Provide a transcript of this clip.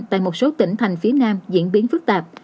của số tỉnh thành phía nam diễn biến phức tạp